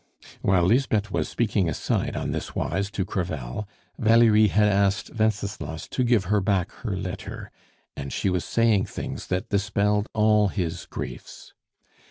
While Lisbeth was speaking aside on this wise to Crevel, Valerie had asked Wenceslas to give her back her letter, and she was saying things that dispelled all his griefs.